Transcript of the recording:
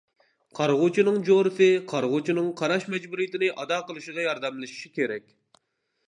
قارىغۇچىنىڭ جورىسى قارىغۇچىنىڭ قاراش مەجبۇرىيىتىنى ئادا قىلىشىغا ياردەملىشىشى كېرەك.